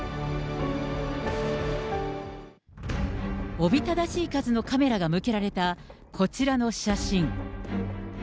おびただしい数のカメラが向けられた、こちらの写真。